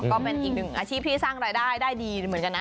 ก็เป็นอีกหนึ่งอาชีพที่สร้างรายได้ได้ดีเหมือนกันนะ